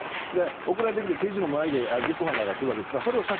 送られてきて、刑事の前で実行犯から来るわけです。